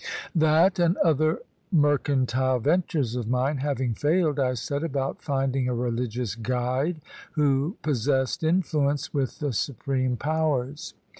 That and other mercan tile ventures of mine having failed, I set about finding a religious guide who possessed influence with the supreme powers.